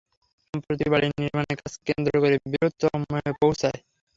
সম্প্রতি বাড়ি নির্মাণের কাজকে কেন্দ্র করে বিরোধ চরমে পৌঁছায়।